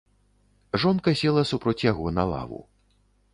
Жонка села супроць яго на лаву.